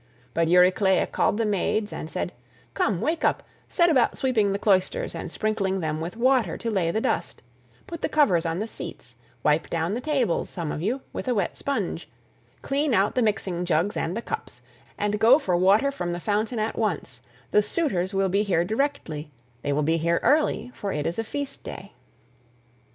But Euryclea called the maids and said, "Come, wake up; set about sweeping the cloisters and sprinkling them with water to lay the dust; put the covers on the seats; wipe down the tables, some of you, with a wet sponge; clean out the mixing jugs and the cups, and go for water from the fountain at once; the suitors will be here directly; they will be here early, for it is a feast day."